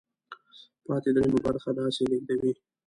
پاتې درېیمه برخه داسې لیږدوي.